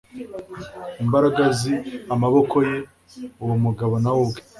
imbaraga z amaboko ye uwo mugabo na we ubwe